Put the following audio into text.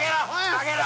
上げろ！